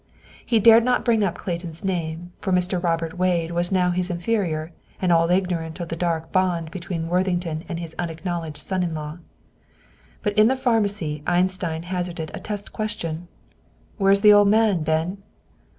He dared not bring up Clayton's name, for Mr. Robert Wade was now his inferior, and all ignorant of the dark bond between Worthington and his unacknowledged son in law. But in the pharmacy Einstein hazarded a test question. "Where's the old man, Ben?"